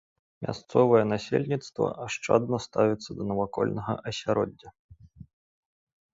Мясцовае насельніцтва ашчадна ставіцца да навакольнага асяроддзя.